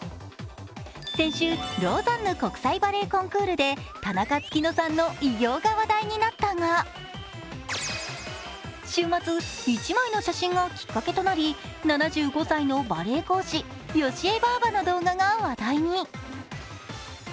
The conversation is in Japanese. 先週、ローザンヌ国際バレエコンクールで田中月乃さんの偉業が話題になったが週末、１枚の写真がきっかけとなり７５歳のバレエ講師、よしえばぁばの動画が話題に。